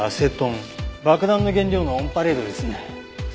爆弾の原料のオンパレードですね。